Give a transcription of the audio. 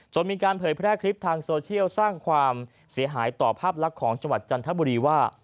มีการเผยแพร่คลิปทางโซเชียลสร้างความเสียหายต่อภาพลักษณ์ของจังหวัดจันทบุรีว่า